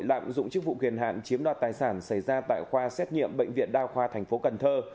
lạm dụng chức vụ quyền hạn chiếm đoạt tài sản xảy ra tại khoa xét nghiệm bệnh viện đa khoa thành phố cần thơ